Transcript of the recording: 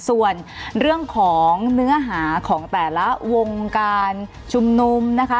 ส่วนเรื่องของเนื้อหาของแต่ละวงการชุมนุมนะคะ